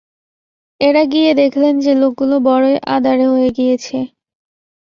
এঁরা গিয়ে দেখলেন যে লোকগুলো বড়ই আদাড়ে হয়ে গিয়েছে।